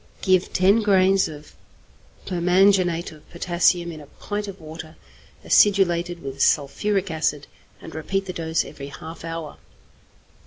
Give 10 grains of permanganate of potassium in a pint of water acidulated with sulphuric acid, and repeat the dose every half hour.